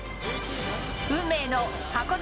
運命の箱根